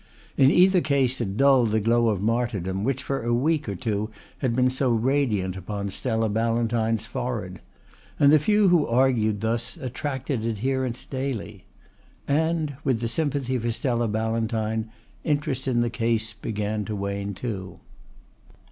In either case it dulled the glow of martyrdom which for a week or two had been so radiant upon Stella Ballantyne's forehead; and the few who argued thus attracted adherents daily. And with the sympathy for Stella Ballantyne interest in the case began to wane too.